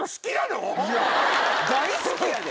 大好きやで？